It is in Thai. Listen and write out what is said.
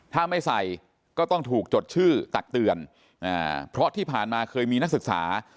ถ้าไม่ใส่ก็ต้องถูกจดชื่อตักเตือนเพราะที่ผ่านมาเคยมีนักศึกษา